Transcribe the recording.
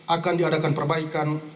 akan diadakan perbaikan